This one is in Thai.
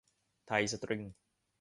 ไทยสตริง